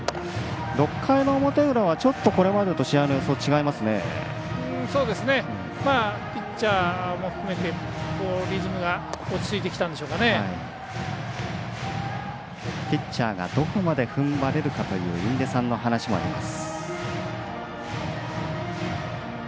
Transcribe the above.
６回はこれまでピッチャーも含めてピッチャーがどこまでふんばれるかという印出さんの話もあります。